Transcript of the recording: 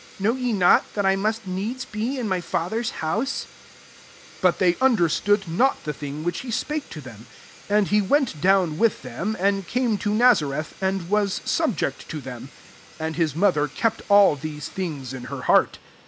knew ye not that I must needs be in my Father* s house P" 50 But they understood not the thing which he spake to them, 51 And he went down with them, [and came'] to Nazareth^ and was subject to them : and his mother kept all these things in her her heart.